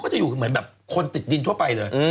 เหมือนแบบคนติดดินทั่วไปเลย